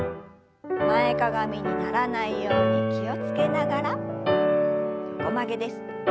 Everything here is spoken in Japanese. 前かがみにならないように気を付けながら横曲げです。